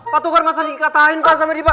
pak tukar masa diikatain sama dia pak